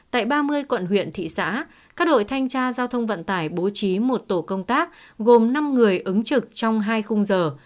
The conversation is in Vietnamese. tại ba mươi quận huyện thị xã các đội thanh tra giao thông vận tải bố trí một tổ công tác gồm năm người ứng trực trong hai khung giờ